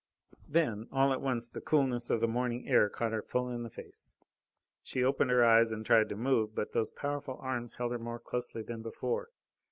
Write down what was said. Then, all at once, the coolness of the morning air caught her full in the face. She opened her eyes and tried to move, but those powerful arms held her more closely than before.